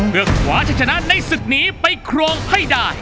เพื่อคว้าชะชนะในศึกนี้ไปครองให้ได้